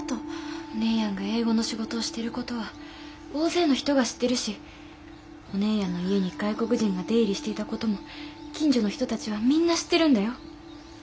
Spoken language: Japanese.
お姉やんが英語の仕事をしてる事は大勢の人が知ってるしお姉やんの家に外国人が出入りしていた事も近所の人たちはみんな知ってるんだよ。